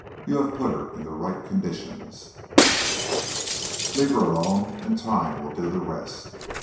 You have put her in the right conditions. Leave her alone and Time will do the rest.